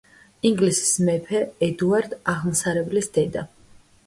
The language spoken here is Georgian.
ინგლისის მეფე ედუარდ აღმსარებლის დედა.